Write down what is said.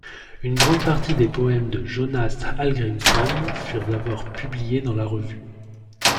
Une grande partie des poèmes de Jónas Hallgrímsson furent d'abord publiés dans la revue.